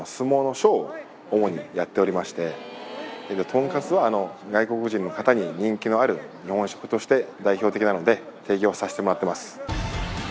とんかつは外国人の方に人気のある日本食として代表的なので提供させてもらってます。